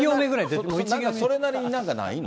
それなりになんかないの？